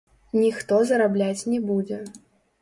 Ніхто зарабляць не будзе.